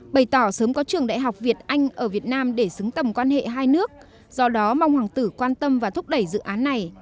bày tỏ sớm có trường đại học việt anh ở việt nam để xứng tầm quan hệ hai nước do đó mong hoàng tử quan tâm và thúc đẩy dự án này